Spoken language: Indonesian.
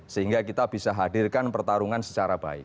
sehingga kita bisa hadirkan pertarungan secara baik